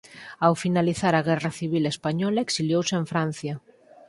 Ao finalizar a Guerra Civil Española exiliouse en Francia.